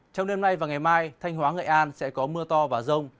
trong đêm nay và ngày mai thanh hóa nghệ an sẽ có mưa to và rông